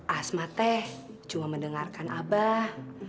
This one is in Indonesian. asma teh cuma mendengarkan abah